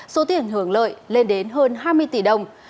số tiền hưởng lợi lên đến hơn hai mươi tỷ đồng